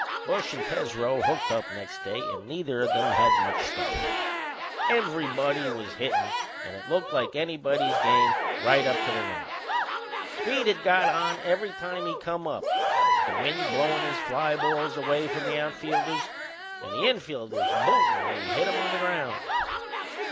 Bush and Tesreau hooked up next day and neither o' them had much stuff. Everybody was hittin' and it looked like anybody's game right up to the ninth. Speed had got on every time he come up the wind blowin' his fly balls away from the outfielders and the infielders bootin' when he hit 'em on the ground.